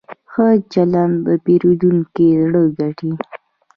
ښه چلند د پیرودونکي زړه ګټي.